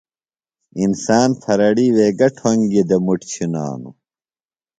انسان پھرڑیوے گہ ٹھوۡنگیۡ دےۡ مُٹ چِھنانوۡ